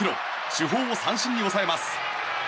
主砲を三振に抑えます。